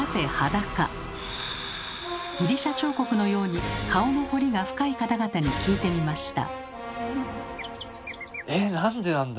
ギリシャ彫刻のように顔の彫りが深い方々に聞いてみました。